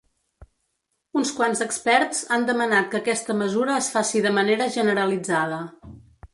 Uns quants experts han demanat que aquesta mesura es faci de manera generalitzada.